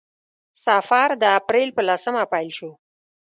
سفر د اپریل په لسمه پیل شو.